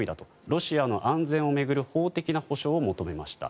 ロシアの安全を巡る法的な保証を求めました。